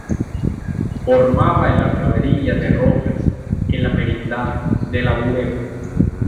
Formaba en la cuadrilla de Rojas, en la merindad de la Bureba.